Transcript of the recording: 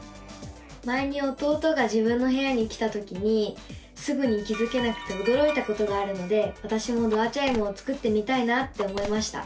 前に弟が自分の部屋に来たときにすぐに気付けなくておどろいたことがあるのでわたしもドアチャイムを作ってみたいなって思いました！